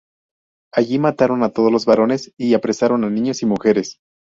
Allí mataron a todos los varones y apresaron a los niños y mujeres.